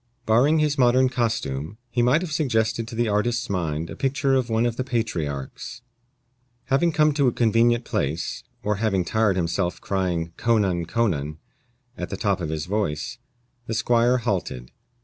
Barring his modern costume, he might have suggested to the artist's mind a picture of one of the Patriarchs. Having come to a convenient place, or having tired himself crying co nan, co nan, at the top of his voice, the squire halted.